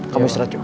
kamu istirahat juga